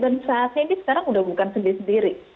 dan saat ini sekarang sudah bukan sendiri sendiri